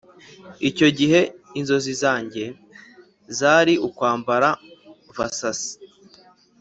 icyo gihe inzozi zange zari ukwambara vasaci